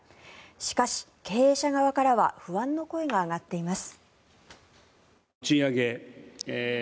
しかし、経営者側からは不安の声が上がっています。